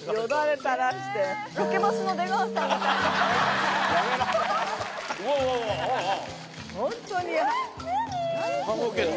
ロケバスの出川さんみたい。